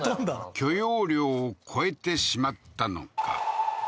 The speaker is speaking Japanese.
許容量を超えてしまったのか